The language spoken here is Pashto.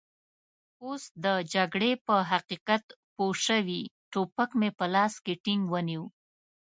اوس د جګړې په حقیقت پوه شوي، ټوپک مې په لاس کې ټینګ ونیو.